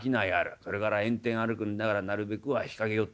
それから炎天歩くんだからなるべくは日陰選って歩けよ。